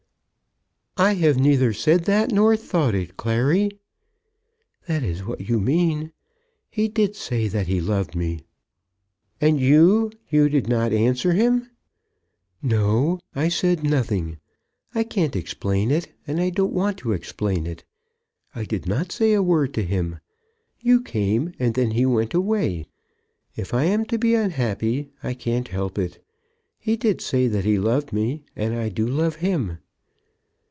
"I have neither said that, nor thought it, Clary." "That is what you mean. He did say that he loved me." "And you, you did not answer him?" "No; I said nothing. I can't explain it, and I don't want to explain it. I did not say a word to him. You came; and then he went away. If I am to be unhappy, I can't help it. He did say that he loved me, and I do love him."